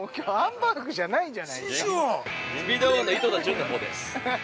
スピードワゴンの井戸田潤のほうです。